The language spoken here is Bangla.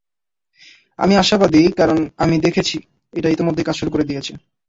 আমি আশাবাদী, কারণ আমি দেখেছি, এটা ইতিমধ্যেই কাজ শুরু করে দিয়েছে।